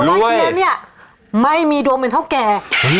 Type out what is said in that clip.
ว่าเฮียเนี่ยไม่มีดวงเหมือนเท่าแก่